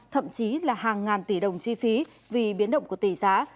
thậm chí là hàng ngàn tỷ đồng chi phí vì biến động của tỷ giá